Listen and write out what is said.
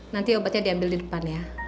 nanti obatnya diambil di depannya